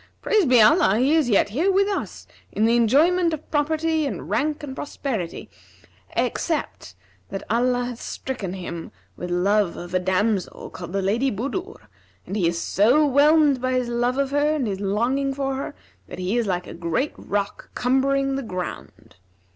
Praised be Allah, he is yet here with us in the enjoyment of property and rank and prosperity, except that Allah hath stricken him with love of a damsel called the Lady Budur;, and he is so whelmed by his love of her and his longing for her, that he is like a great rock cumbering the ground.